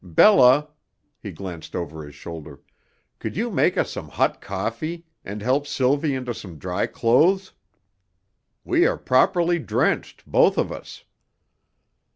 Bella" he glanced over his shoulder "could you make us some hot coffee and help Sylvie into some dry clothes? We are properly drenched, both of us."